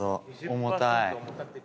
重たい。